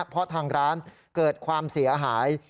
เพราะทางร้านเกิดความเสียหาย